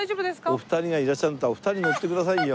お二人がいらっしゃるんだったらお二人乗ってくださいよ。